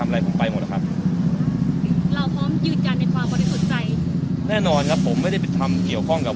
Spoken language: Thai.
มียอดเงินมาแค่นี้ผมได้เป็นเจ้าของได้ยังไง